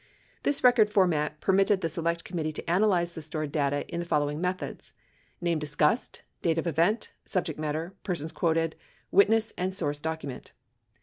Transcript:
This record format permitted the Select Committee to analvze the stored data in the following methods: name discussed, date of event, subject matter, persons quoted, witness, and source document.